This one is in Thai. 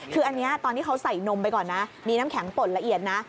คืออันนี้ตอนที่เขาใส่นมไปก่อนนะมีน้ำแข็งป่นละเอียดนะ